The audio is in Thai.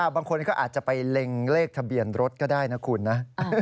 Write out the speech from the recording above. บางคนก็อาจจะไปเล็งเลขทะเบียนรถก็ได้นะคุณนะ